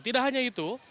tidak hanya itu